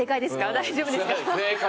大丈夫ですか？